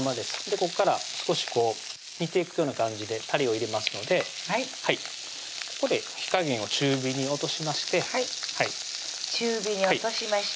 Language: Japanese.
ここから少し煮ていくような感じでたれを入れますのでここで火加減を中火に落としまして中火に落としました